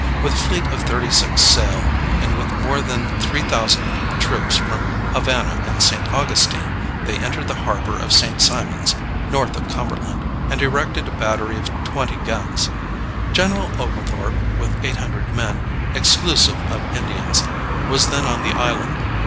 With a fleet of thirty six sail and with more than three thousand troops from Havana and St. Augustine, they entered the harbor of St. Simons, north of Cumberland, and erected a battery of twenty guns. General Oglethorpe, with eight hundred men, exclusive of Indians, was then on the island.